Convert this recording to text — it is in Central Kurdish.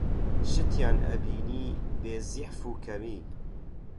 شتیان ئەبینی بێزیعف و کەمی